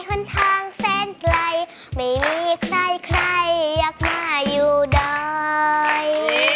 หนทางแสนไกลไม่มีใครใครอยากมาอยู่ดอย